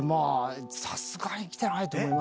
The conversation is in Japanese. さすがに来てないと思います。